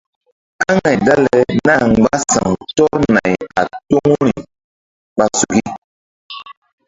Aŋay dale náh mgba sa̧w tɔr nay a toŋuri-awɓa suki.